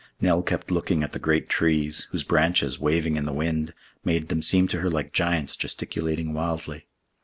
Nell kept looking at the great trees, whose branches, waving in the wind, made them seem to her like giants gesticulating wildly.